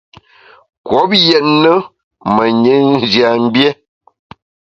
Kouop yètne menyit njiamgbié.